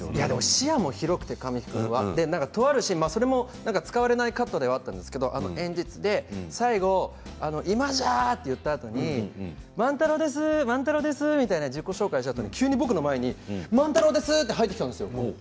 視野も広くて神木君はとあるシーンそれも使われないカットだったんですけれど演説で最後、今じゃと言ったあとに万太郎ですみたいな自己紹介をしたあとに急に僕の前に万太郎として入ってきたんですよ。